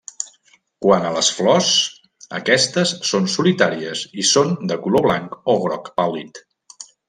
Quant a les flors, aquestes són solitàries i són de color blanc o groc pàl·lid.